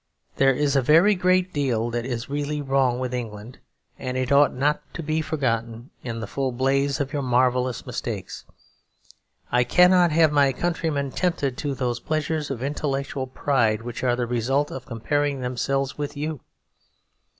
There is a very great deal that is really wrong with England, and it ought not to be forgotten even in the full blaze of your marvellous mistakes. I cannot have my countrymen tempted to those pleasures of intellectual pride which are the result of comparing themselves with you.